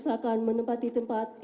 wakil ketua internasi